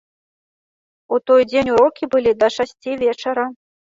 У той дзень урокі былі да шасці вечара.